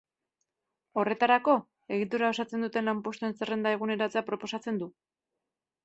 Horretarako, egitura osatzen duten lanpostuen zerrenda eguneratzea proposatzen du.